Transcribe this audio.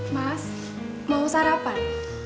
mas mau sarapan